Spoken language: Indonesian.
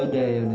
udah aja dihati